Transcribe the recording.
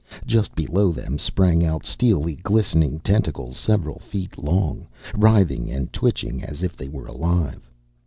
Just below them sprang out steely, glistening tentacles several feet long, writhing and twitching as if they were alive.